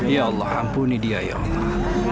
ya allah ampuni dia ya allah